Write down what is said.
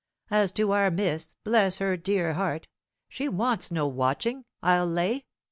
As to our Miss, bless her dear heart! she wants no watching, I'll lay.